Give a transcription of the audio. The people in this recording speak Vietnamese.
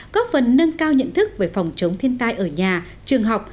có phần nâng cao nhận thức về phòng chống thiên tai ở nhà trường học